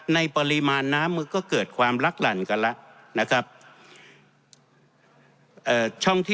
ในปริมาณน้ำก็เกิดความลักหลั่นกันแล้ว